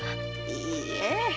いいえ。